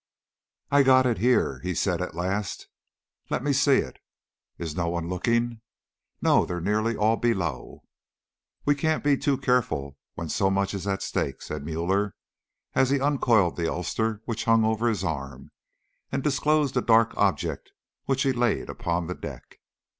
"I've got it here," he said at last. "Let me see it." "Is no one looking?" "No, they are nearly all below." "We can't be too careful where so much is at stake," said Müller, as he uncoiled the ulster which hung over his arm, and disclosed a dark object which he laid upon the deck.